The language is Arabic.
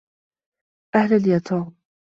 أهلا يا توم!